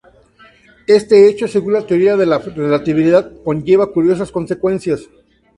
Este hecho según la teoría de la relatividad conlleva curiosas consecuencias.